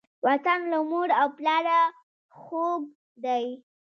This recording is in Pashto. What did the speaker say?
وطن له مور او پلاره خووږ دی.